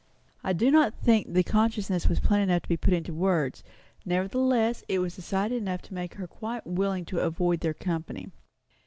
I do not think the consciousness was plain enough to be put into words; nevertheless it was decided enough to make her quite willing to avoid their company.